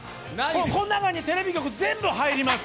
この中にテレビ局全部入ります。